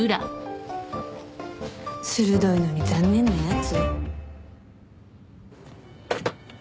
鋭いのに残念なやつ。